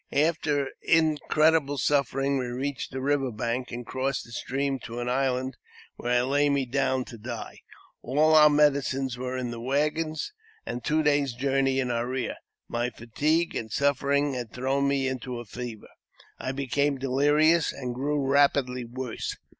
After incredible suffering we reached the river bank, and crossed the stream to an island, where I lay me down to die. All our medicines were in the waggons, and two days' journey in our rear. My fatigue and suffering had I AUTOBIOGBAPHY OF JAMES P. BECKWOUBTH. 351 thrown me into a fever ; I became delirious and grew rapidly worse.